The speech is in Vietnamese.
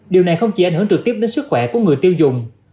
điều này không chỉ ảnh hưởng trực tiếp đến sức khỏe của người tiêu dùng